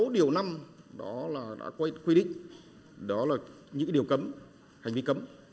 sáu điều năm đã quy định đó là những điều cấm hành vi cấm